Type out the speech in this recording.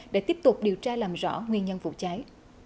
để tiếp tục điều tra làm rõ nguyên nhân vụ cháy